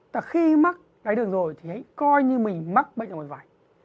tại khi mắc đái đường rồi thì hãy coi như mình mắc bệnh ở mặt vải